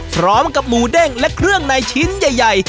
พร้อมกับหมูเด้งและเครื่องในชิ้นใหญ่